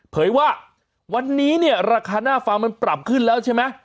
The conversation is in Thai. เผยว่าวันนี้เนี่ยราคาหน้าฟาร์มมันปรับขึ้นแล้วใช่ไหม